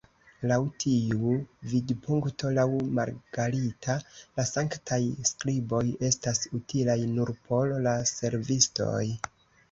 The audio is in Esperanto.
Laŭ tiu vidpunkto, laŭ Margarita la Sanktaj Skriboj estas utilaj nur por la servistoj.